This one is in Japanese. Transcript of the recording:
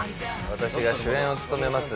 私が主演を務めます